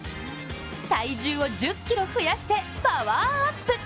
体重を１０ｋｇ増やしてパワーアップ。